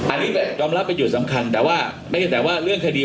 อันนี้ยอมรับเป็นจุดสำคัญแต่ว่าไม่ใช่แต่ว่าเรื่องคดี